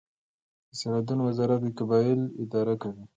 د سرحدونو وزارت قبایل اداره کوي